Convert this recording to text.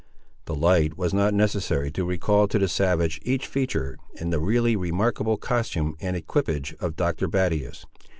The light was not necessary to recall to the savage each feature in the really remarkable costume and equipage of Dr. Battius.